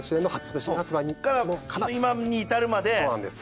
から今に至るまで。